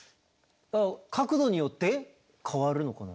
角度によって変わるのかな？